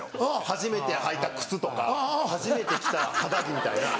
初めて履いた靴とか初めて着た肌着みたいな。